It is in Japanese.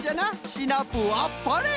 シナプーあっぱれ！